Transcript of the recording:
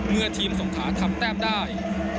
เมื่อทีมสงขาทำแต้มได้